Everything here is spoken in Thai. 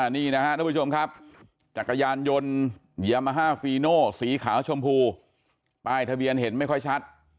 นี่นะครับทุกผู้ชมครับจักรยานยนต์ยามาฮาฟีโนสีขาวชมพูป้ายทะเบียนเห็นไม่ค่อยชัด